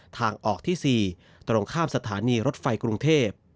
ทางออกที่๔ตรงข้ามสถานีรถไฟกรุงเทพ